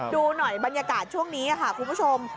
ดูหน่อยบรรยากาศช่วงนี้ค่ะคุณผู้ชม